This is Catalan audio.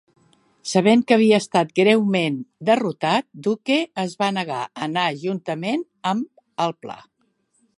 Sabent que havia estat greument derrotat, Duque es va negar a anar juntament amb el pla.